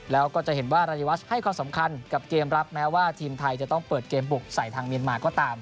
แล้วก็จะเห็นว่ารายวัชให้ความสำคัญกับเกมรับแม้ว่าทีมไทยจะต้องเปิดเกมบุกใส่ทางเมียนมาก็ตาม